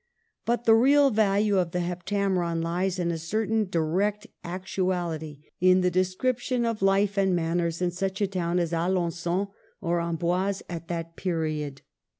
But the real value of the " Heptameron " lies in a certain direct actuality in the description of life and of manners in such a town as Alengon or Amboise at ^ that period.